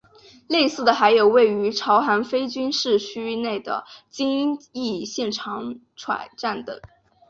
类似的还有位于朝韩非军事区内的京义线长湍站等。